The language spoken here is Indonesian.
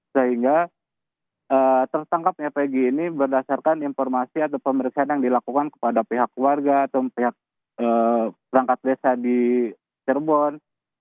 sehingga tertangkapnya pg ini berdasarkan informasi atau pemeriksaan yang dilakukan kepada pihak keluarga atau pihak perangkat desa di cirebon